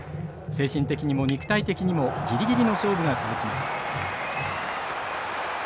精神的にも肉体的にもギリギリの勝負が続きます。